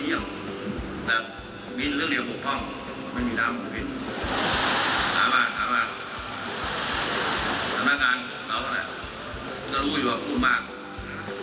สำนักการณ์เขาจะรู้อยู่กับคุณมาก